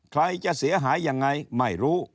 ใครจะเสียหายยังไงไม่รู้